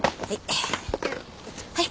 はい。